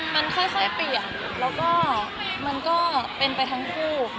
มันค่อยเปลี่ยนแล้วก็มันก็เป็นไปทั้งคู่